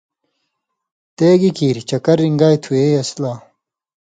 ”تے گی کیریۡ چکر رِن٘گیائ تُھو یی اسی لا!“